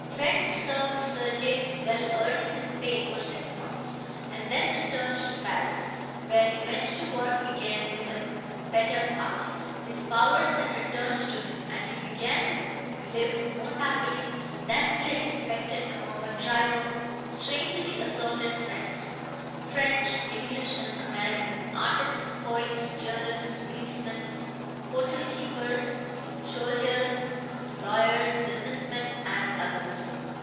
Trent served Sir James, well earning his pay, for six months, and then returned to Paris, where he went to work again with a better heart. His powers had returned to him, and he began to live more happily than he had expected among a tribe of strangely assorted friends, French, English and American, artists, poets, journalists, policemen, hotel keepers, soldiers, lawyers, business men and others.